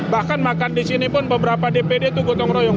bahkan makan di sini pun beberapa dpd itu gotong royong